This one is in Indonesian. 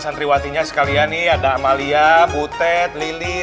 santriwati nya sekalian nih ada amalia butet lili